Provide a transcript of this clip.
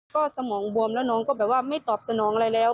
ก็สมองบวมแล้วน้องก็แบบว่าไม่ตอบสนองอะไรแล้ว